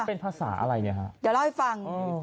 เป็นภาษาอะไรเนี่ยฮะเดี๋ยวเล่าให้ฟัง